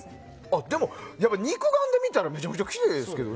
でも、肉眼で見たらめちゃめちゃきれいですよ。